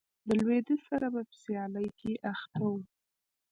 د لوېدیځ سره په سیالۍ کې اخته و.